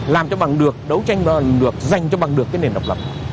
làm cho bằng được đấu tranh được dành cho bằng được cái nền độc lập